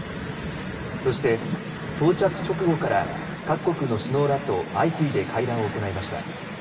そして、到着直後から各国の首脳らと相次いで会談を行いました。